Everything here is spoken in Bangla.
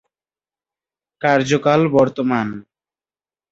কার্যকাল বর্তমান